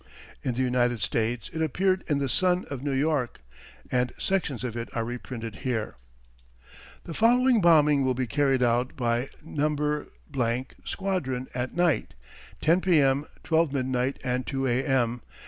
In the United States it appeared in the Sun, of New York, and sections of it are reprinted here: "The following bombing will be carried out by No. Squadron at night (10 P.M., 12 midnight, and 2 A.M.).